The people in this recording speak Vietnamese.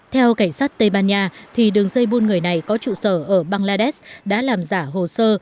theo cảnh sát tây ban nha đường dây buôn người này có trụ sở ở bangladesh đã làm giả hồ sơ